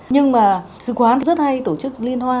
nhưng mà sư quán rất hay tổ chức liên hoa